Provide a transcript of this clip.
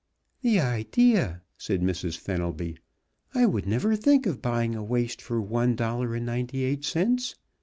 "The idea!" said Mrs. Fenelby. "I would never think of buying a waist for one dollar and ninety eight cents.